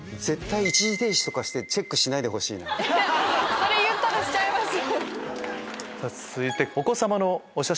それ言ったらしちゃいますよ！